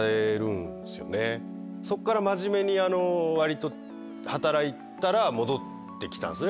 そこから真面目に働いたら戻ってきたんですよね。